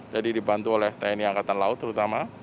jadi dibantu oleh tni angkatan laut terutama